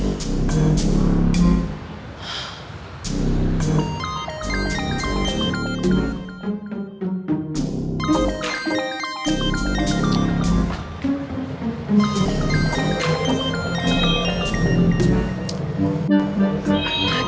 semoga dia gak ngejep